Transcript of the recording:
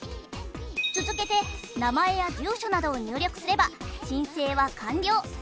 続けて名前や住所などを入力すれば申請は完了。